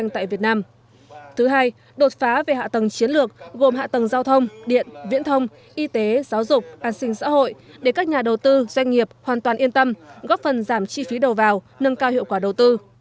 thứ hai đột phá về hạ tầng chiến lược gồm hạ tầng giao thông điện viễn thông y tế giáo dục an sinh xã hội để các nhà đầu tư doanh nghiệp hoàn toàn yên tâm góp phần giảm chi phí đầu vào nâng cao hiệu quả đầu tư